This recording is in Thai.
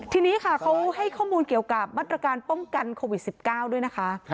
ทีนี้ค่ะเขาให้ข้อมูลเกี่ยวกับมาตรการป้องกันโควิด๑๙ด้วยนะคะ